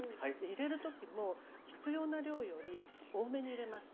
入れる時も必要な量より多めに入れます。